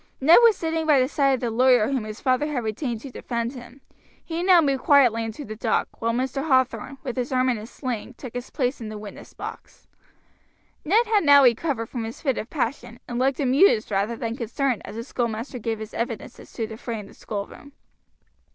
Ned was sitting by the side of the lawyer whom his father had retained to defend him; he now moved quietly into the dock, while Mr. Hathorn, with his arm in a sling, took his place in the witness box. Ned had recovered now from his fit of passion, and looked amused rather than concerned as the schoolmaster gave his evidence as to the fray in the schoolroom.